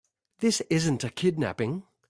This isn't a kidnapping.